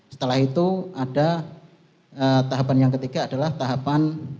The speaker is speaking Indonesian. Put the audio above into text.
setelah itu ada tahapan yang ketiga adalah tahapan